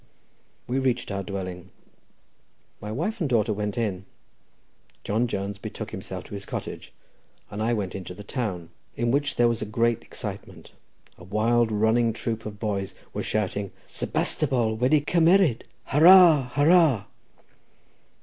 We reached our dwelling. My wife and daughter went in. John Jones betook himself to his cottage, and I went into the town, in which there was a great excitement; a wild running troop of boys was shouting "Sebastopol wedi cymmeryd Hurrah! Hurrah!"